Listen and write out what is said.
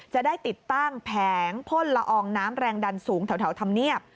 จะได้ติดตั้งแผงพ่นละอองน้ำแรงดันสูงแถวธรรมเนียบ